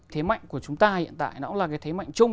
thế mạnh của chúng ta hiện tại nó cũng là cái thế mạnh chung